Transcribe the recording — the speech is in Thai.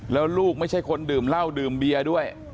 แล้วลูกไม่ใช่คนดื่มเหล้าดื่มเบียร์ด้วย